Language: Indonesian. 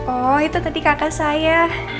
oh itu tadi kakak saya